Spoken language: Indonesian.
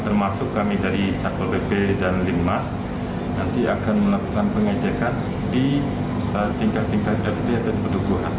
termasuk kami dari sarkol bp dan limmas nanti akan melakukan pengecekan di tingkat tingkat d i e dan pendukungan